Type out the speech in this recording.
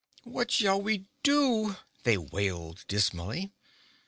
"What shall we do?" they wailed dismally.